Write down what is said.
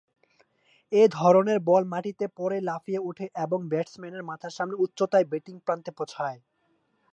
এ ধরনের বল মাটিতে পড়ে লাফিয়ে ওঠে এবং ব্যাটসম্যানের মাথার সমান উচ্চতায় ব্যাটিং প্রান্তে পৌঁছায়।